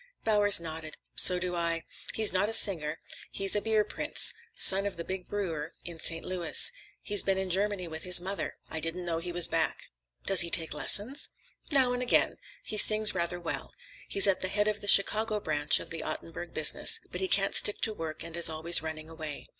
Bowers nodded. "So do I. He's not a singer. He's a beer prince: son of the big brewer in St. Louis. He's been in Germany with his mother. I didn't know he was back." "Does he take lessons?" "Now and again. He sings rather well. He's at the head of the Chicago branch of the Ottenburg business, but he can't stick to work and is always running away.